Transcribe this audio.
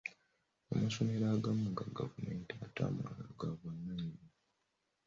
Amasomero agamu ga gavumenti ate amalala gabwannanyini.